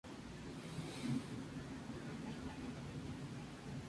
Se juegan cuartos de final, semifinales y final.